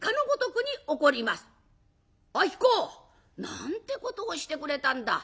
「子何てことをしてくれたんだ。